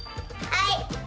はい！